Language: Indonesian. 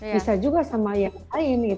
bisa juga sama yang lain